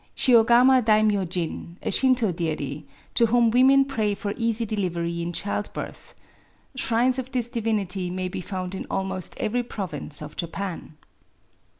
* Shiogama Daimyojiny a ShintS deity, to whom women ptay for eaay ddirery Jin child birth. Shrinet of this divinity may be found in almott every province of hapan.